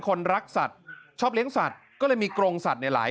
คนรักสัตว์ชอบเลี้ยงสัตว์ก็เลยมีกรงสัตว์ในหลาย